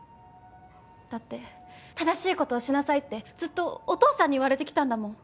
だって正しい事をしなさいってずっとお父さんに言われてきたんだもん。